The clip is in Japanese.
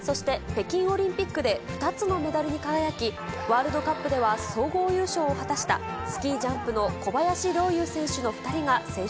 北京オリンピックで２つのメダルに輝き、ワールドカップでは総合優勝を果たした、スキージャンプの小林陵